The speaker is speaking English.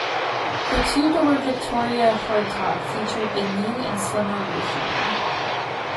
The two-door Victoria hardtop featured a new and slimmer roofline.